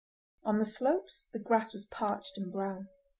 On the slopes the grass was parched and brown.